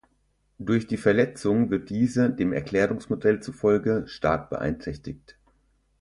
Durch die Verletzung wird diese, dem Erklärungsmodell zufolge, stark beeinträchtigt.